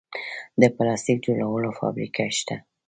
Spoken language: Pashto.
د پلاستیک جوړولو فابریکې شته